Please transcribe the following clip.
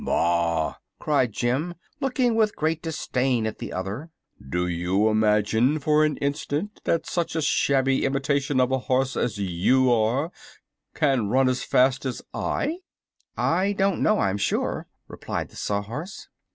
"Bah!" cried Jim, looking with great disdain at the other; "do you imagine for an instant that such a shabby imitation of a horse as you are can run as fast as I?" "I don't know, I'm sure," replied the Sawhorse.